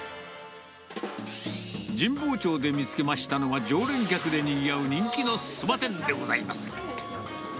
神保町で見つけましたのは、常連客でにぎわう人気のそば店でございます。